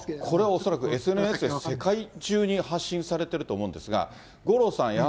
これは恐らく、ＳＮＳで世界中に発信されてると思うんですが、五郎さん